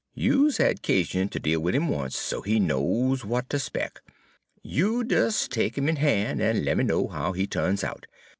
You 's had 'casion ter deal wid 'im once, so he knows w'at ter expec'. You des take 'im in han', en lemme know how he tu'ns out.